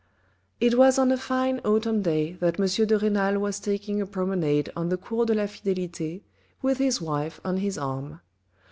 It was on a fine, autumn day that M. de Renal was taking a promenade on the Cours de la Fidelite with his wife on his arm.